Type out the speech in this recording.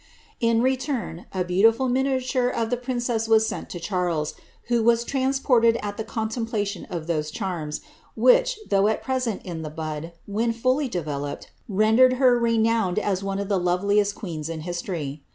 ' In return, a beautiful miniature of the princess was sent to Charies, who was transported at the contemplation of those charms, which, though at present in the bud, when fully developed, rendered her re nowned as one of the loveliest queens in history.